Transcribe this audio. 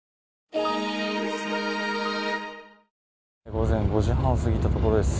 午前５時半を過ぎたところです。